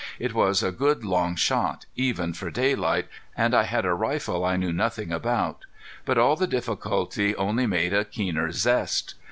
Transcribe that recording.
It was a good long shot even for daylight, and I had a rifle I knew nothing about. But all the difficulty only made a keener zest.